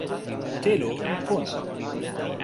telo li pona.